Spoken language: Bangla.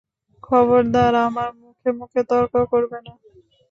খবরদার আমার মুখে মুখে তর্ক করবে না।